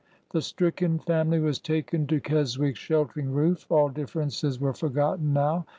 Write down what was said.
The stricken family was taken to Keswick's sheltering roof. All differences were forgotten now.